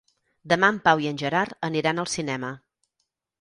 Demà en Pau i en Gerard aniran al cinema.